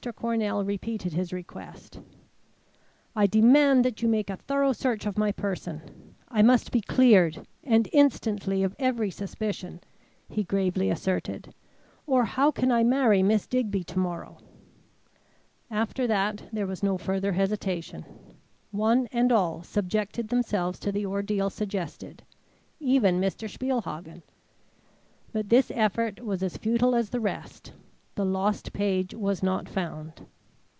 Cornell repeated his request. "I demand that you make a thorough search of my person. I must be cleared, and instantly, of every suspicion," he gravely asserted, "or how can I marry Miss Digby to morrow?" After that there was no further hesitation. One and all subjected themselves to the ordeal suggested; even Mr. Spielhagen. But this effort was as futile as the rest. The lost page was not found.